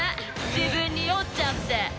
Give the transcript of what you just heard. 自分に酔っちゃって。